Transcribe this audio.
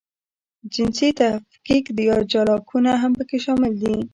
جنسیتي تفکیک یا جلاکونه هم پکې شامل دي.